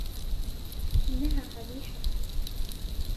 انها قبيحة